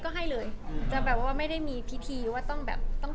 ก็ให้เลยไม่ได้มีพิธีว่าต้องเทศกาลนะ